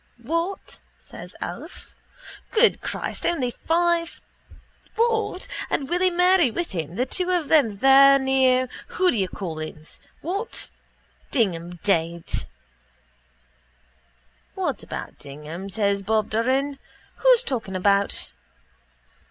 —What? says Alf. Good Christ, only five... What?... And Willy Murray with him, the two of them there near whatdoyoucallhim's... What? Dignam dead? —What about Dignam? says Bob Doran. Who's talking about...?